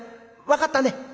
分かったね？」。